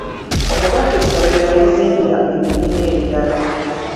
Omubaka essomero yalizimbira ebibiina ebiralala.